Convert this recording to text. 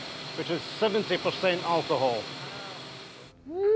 うん！